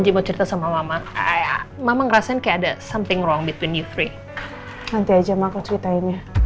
it's okay bisa jadi